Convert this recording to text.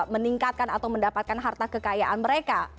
meningkatkan atau mendapatkan harta kekayaan mereka